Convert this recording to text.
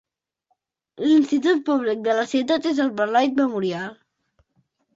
L'institut públic de la ciutat és el Beloit Memorial.